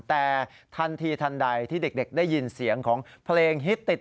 แต่ทันทีทันใดที่เด็กได้ยินเสียงของเพลงฮิตติด